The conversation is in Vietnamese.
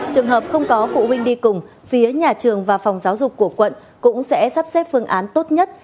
trường hợp không có phụ huynh đi cùng phía nhà trường và phòng giáo dục của quận cũng sẽ sắp xếp phương án tốt nhất